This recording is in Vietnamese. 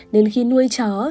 nên khi nuôi chó